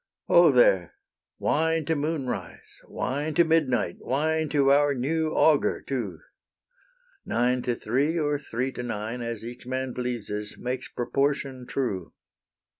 Ho, there! wine to moonrise, wine To midnight, wine to our new augur too! Nine to three or three to nine, As each man pleases, makes proportion true.